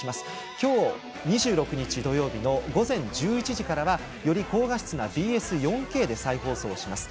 今日２６日土曜日午前１１時からより高画質なＢＳ４Ｋで再放送します。